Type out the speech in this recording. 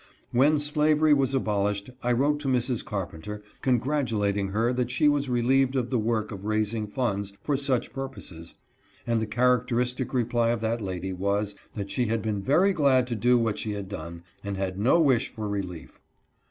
When slavery was abolished I wrote to Mrs. Carpenter, congratulating her that she was relieved of the work of raising funds for such purposes, and the characteristic reply of that lady was that she had been very glad to do what she had done, and had no wish for relief.